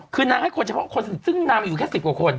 คือนางให้คนเฉพาะคนซึ่งนางอยู่แค่๑๐กว่าคน